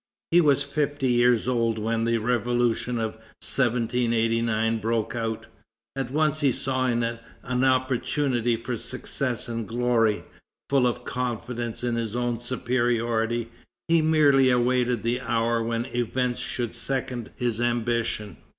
He was fifty years old when the Revolution of 1789 broke out. At once he saw in it an opportunity for success and glory. Full of confidence in his own superiority, he merely awaited the hour when events should second his ambition.